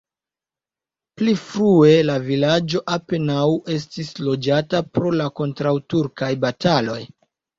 Pli frue la vilaĝo apenaŭ estis loĝata pro la kontraŭturkaj bataloj.